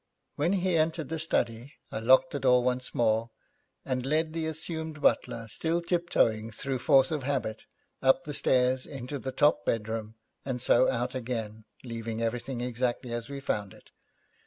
When he entered the study, I locked the door once more, and led the assumed butler, still tiptoeing through force of habit, up the stair into the top bedroom, and so out again, leaving everything exactly as we found it.